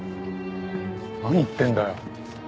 何言ってんだよ？